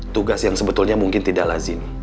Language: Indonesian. tugas yang sebetulnya mungkin tidak lazim